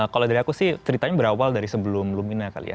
kalau dari aku sih ceritanya berawal dari sebelum lumina kali ya